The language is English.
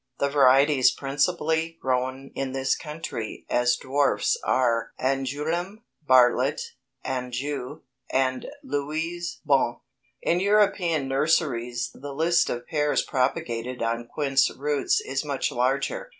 The varieties principally grown in this country as dwarfs are Angouleme, Bartlett, Anjou, and Louise Bonne. In European nurseries the list of pears propagated on quince roots is much larger.